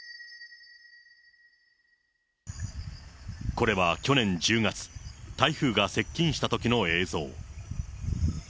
これは去年１０月、台風が接近したときの映像。